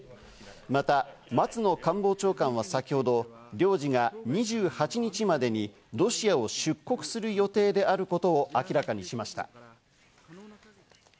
また松野官房長官は先ほど、領事が２８日までにロシアを出国する予定であることを明らかにしました。